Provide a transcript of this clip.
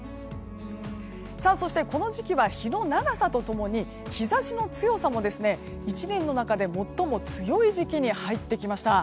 そしてこの時期は日の長さと共に、日差しの強さも１年の中で最も強い時期に入ってきました。